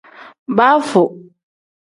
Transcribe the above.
Baafu.